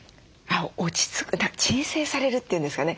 鎮静されるっていうんですかね。